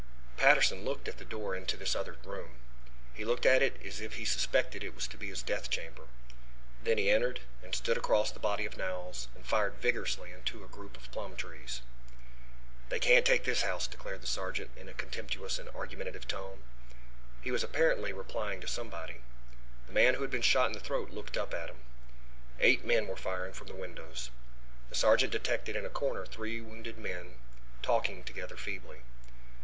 Patterson looked at the door into this other room. He looked at it as if he suspected it was to be his death chamber. Then he entered and stood across the body of Knowles and fired vigorously into a group of plum trees. "They can't take this house," declared the sergeant in a contemptuous and argumentative tone. He was apparently replying to somebody. The man who had been shot in the throat looked up at him. Eight men were firing from the windows. The sergeant detected in a corner three wounded men talking together feebly.